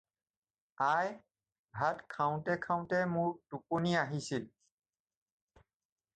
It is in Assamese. আই, ভাত খাওঁতে খাওঁতে মোৰ টোপনি আহিছিল।